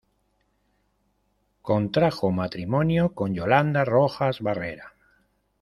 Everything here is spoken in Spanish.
Contrajo matrimonio con Yolanda Rojas Barrera.